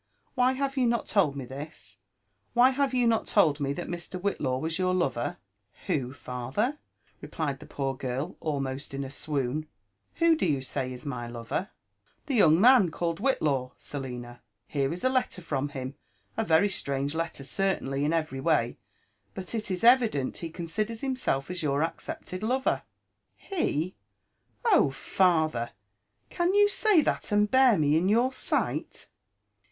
why have you not told me this? — why have you not told me that Mr. Whitlaw was ybur lover?" Who, father 1" replied the poor girl almost in a swoon, —*< who do you say is my lover?" That young man called Whitlaw, Selina. Here is a letter from him — a very strange letter certainly, in every way; but it is evident he considers himself as your accepted lover." He! — Oh, father! can you say that a6d bear me in your sight?